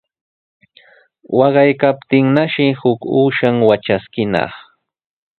Waqaykaptinnashi huk uushan watraskinaq.